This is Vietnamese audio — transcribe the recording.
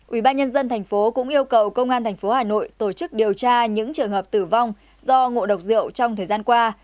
ubnd thành phố cũng yêu cầu công an thành phố hà nội tổ chức điều tra những trường hợp tử vong do ngộ độc rượu trong thời gian qua